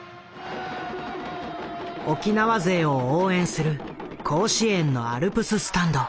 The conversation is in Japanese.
沖縄勢を応援する甲子園のアルプススタンド。